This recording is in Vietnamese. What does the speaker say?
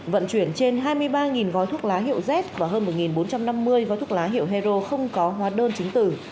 vận chuyển trên hai mươi ba gói thuốc lá hiệu z và hơn một bốn trăm năm mươi gói thuốc lá hiệu hero không có hóa đơn chứng tử